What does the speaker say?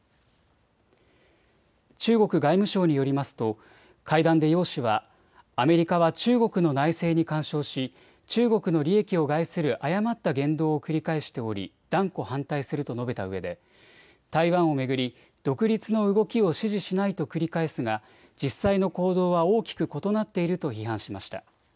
中国外務省によりますと会談で楊氏はアメリカは中国の内政に干渉し中国の利益を害する誤った言動を繰り返しており断固反対すると述べたうえで台湾を巡り独立の動きを支持しないと繰り返すが実際の行動は大きく異なっていると批判しました。